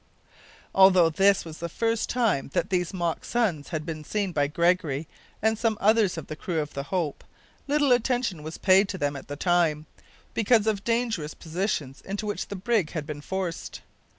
Although this was the first time that these mock suns had been seen by Gregory and some others of the crew of the Hope, little attention was paid to them at the time, because of the dangerous position into which the brig had been forced.